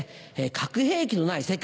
「核兵器のない世界」